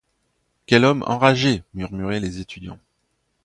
Quel homme enragé! murmuraient les étudiants.